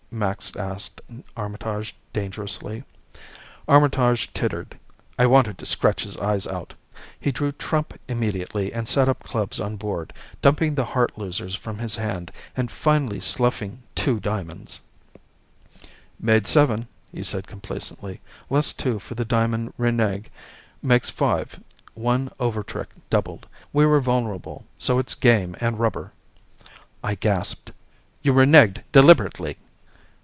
Max asked Armitage dangerously. Armitage tittered. I wanted to scratch his eyes out. He drew trump immediately and set up clubs on board, dumping the heart losers from his hand, and finally sluffing two diamonds. "Made seven," he said complacently, "less two for the diamond renege makes five, one overtrick doubled. We were vulnerable, so it's game and rubber." I gasped. "You reneged deliberately!"